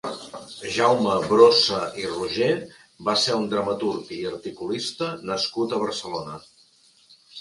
Jaume Brossa i Roger va ser un dramaturg i articulista nascut a Barcelona.